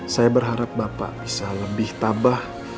saya berharap bapak bisa lebih tabah